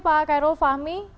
pak khairul fahmi